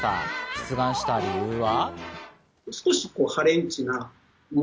出願した理由は。